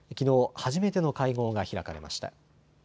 初めての会合が開かれました。